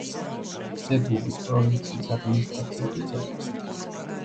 დებუბის პროვინციის ადმინისტრაციული ცენტრი.